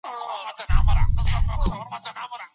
ايا ښځه بل څوک خپل وکیل ټاکلی سي؟